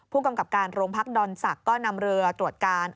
ภูมิกำการโรงพักษณ์ดอนสักก็นำเรือตรวจการ